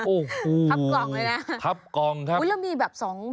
โอ้โหครับกองนะครับครับกองครับ